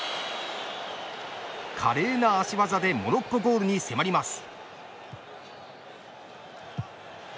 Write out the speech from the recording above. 華麗な足技でモロッコゴールに迫ります。